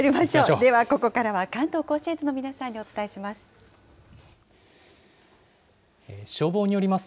ではここからは関東甲信越の皆さんにお伝えします。